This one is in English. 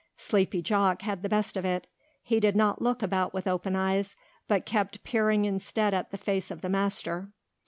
Sleepy Jock had the best of it. He did not look about with open eyes but kept peering instead at the face of the master.